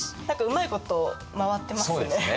何かうまいこと回ってますね。